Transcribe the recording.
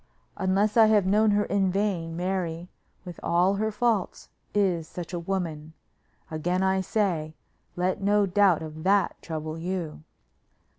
Unless I have known her in vain, Mary, with all her faults, is such a woman. Again I say, let no doubt of that trouble you."